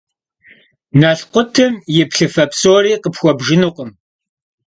Nalkhutım yi plhıfe psori khıpxuebjjınukhım.